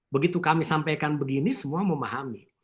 begitu kami sampaikan begini semua memahami